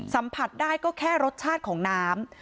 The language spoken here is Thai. สัมผัสได้ก็แค่รสชาติของน้ำ